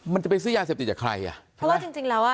มันจะไปซื้อยาเสพติดจากใครอ่ะเพราะว่าจริงจริงแล้วอ่ะ